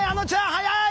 早い！